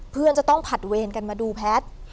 เพื่อนจะต้องผัดเวรกันมาดูแพทย์